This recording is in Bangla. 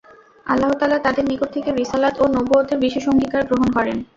আল্লাহ তাআলা তাদের নিকট থেকে রিসালাত ও নবুওতের বিশেষ অঙ্গীকার গ্রহণ করেন।